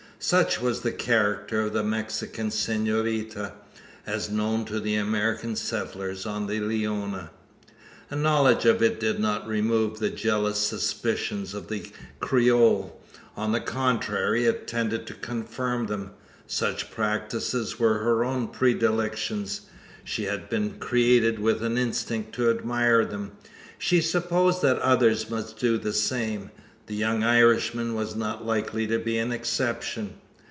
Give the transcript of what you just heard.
Such was the character of the Mexican senorita, as known to the American settlers on the Leona. A knowledge of it did not remove the jealous suspicions of the Creole. On the contrary, it tended to confirm them. Such practices were her own predilections. She had been created with an instinct to admire them. She supposed that others must do the same. The young Irishman was not likely to be an exception.